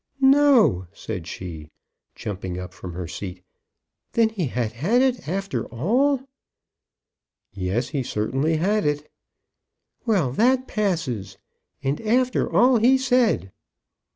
"No!" said she, jumping up from her seat. "Then he had it after all?" "Yes; he certainly had it." "Well, that passes. And after all he said!"